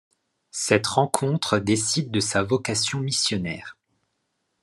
Cette rencontre décide de sa vocation missionnaire.